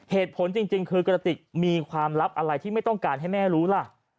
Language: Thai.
เหตุผลจริงคือกระติกมีความลับอะไรที่ไม่ต้องการให้แม่รู้ล่ะ